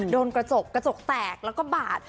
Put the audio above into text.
โดนกระจกกระจกแตกแล้วก็บาด